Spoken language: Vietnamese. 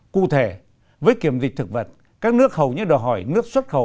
cụ thể với kiểm dịch thực vật các nước hầu như đòi hỏi nước xuất khẩu